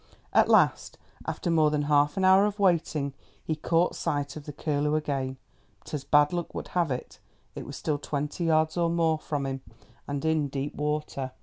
At last, after more than half an hour of waiting, he caught sight of the curlew again, but, as bad luck would have it, it was still twenty yards or more from him and in deep water.